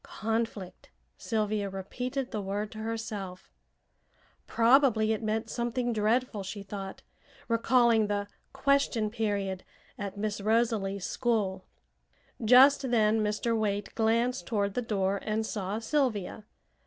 "'Conflict,'" Sylvia repeated the word to herself. Probably it meant something dreadful, she thought, recalling the "question period" at Miss Rosalie's school. Just then Mr. Waite glanced toward the door and saw Sylvia.